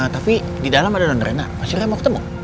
tapi di dalam ada don reina pasti dia mau ketemu